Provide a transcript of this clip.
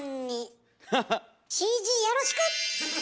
ＣＧよろしく！